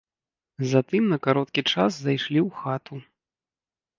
Затым на кароткі час зайшлі ў хату.